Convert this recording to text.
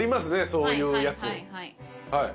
そういうやつ。